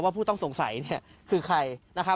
ว่าผู้ต้องสงสัยคือใคร